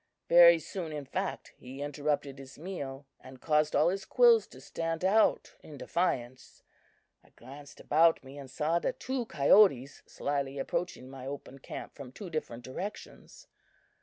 Very soon, in fact, he interrupted his meal, and caused all his quills to stand out in defiance. I glanced about me and saw the two coyotes slyly approaching my open camp from two different directions.